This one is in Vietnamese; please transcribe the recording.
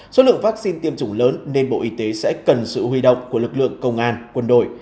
số lượng vaccine tiêm chủng lớn nên bộ y tế sẽ cần sự huy động của lực lượng công an quân đội